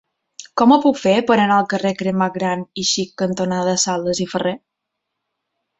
Com ho puc fer per anar al carrer Cremat Gran i Xic cantonada Sales i Ferré?